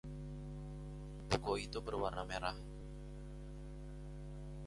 Buku itu berwarna merah.